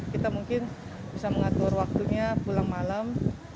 kita mungkin bisa mengatur waktunya pulang malam